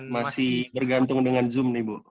masih bergantung dengan zoom nih bu